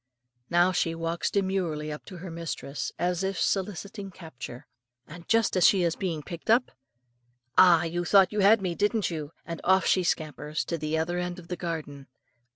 Now she walks demurely up to her mistress, as if soliciting capture, and just as she is being picked up, "Ah! you thought you had me, did you?" and off she scampers to the other end of the garden.